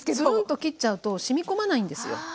ずんと切っちゃうとしみ込まないんですよ。